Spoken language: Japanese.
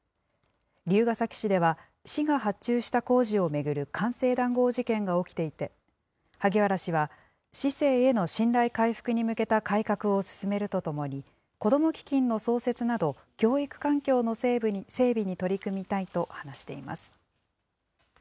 龍ケ崎市では市が発注した工事を巡る官製談合事件が起きていて、萩原氏は市政への信頼回復に向けた改革を進めるとともに、子ども基金の創設など、教育環境の整備に取り組みたいと話しています。